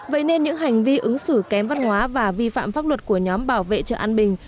vậy nên những hành vi ứng xử kém văn hóa và vi phạm pháp luật của nhóm bảo vệ chợ an bình